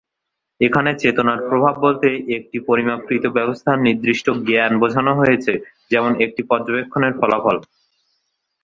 এখানে "চেতনার প্রভাব" বলতে একটি পরিমাপকৃত ব্যবস্থার নির্দিষ্ট জ্ঞান বোঝানো হচ্ছে, যেমন একটি পর্যবেক্ষণের ফলাফল।